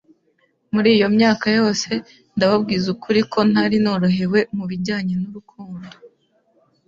Muri iyo myaka yose ndababwiza ukuri ko ntari norohewe mu bijyanye n’urukundo